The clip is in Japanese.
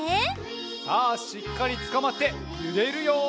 さあしっかりつかまってゆれるよ！